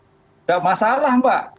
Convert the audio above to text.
tidak masalah pak